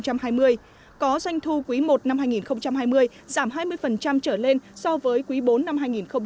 có doanh thu quý một năm hai nghìn hai mươi giảm hai mươi trở lên so với quý bốn năm hai nghìn một mươi chín